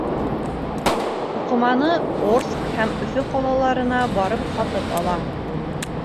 Туҡыманы Орск һәм Өфө ҡалаларына барып һатып ала.